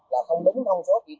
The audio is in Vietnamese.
là không đúng thông số kỹ thuật